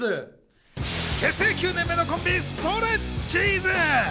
結成９年目のコンビ、ストレッチーズ。